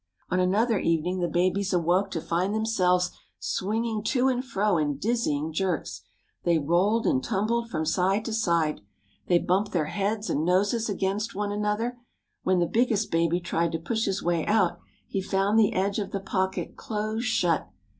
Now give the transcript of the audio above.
On another evening the babies awoke to find themselves swinging to and fro in dizzying jerks. They rolled and tumbled from side to side. They bumped their heads and noses against one another. When the biggest baby tried to push his way out he found the edge of the pocket close shut.